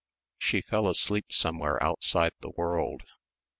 She fell asleep somewhere outside the world.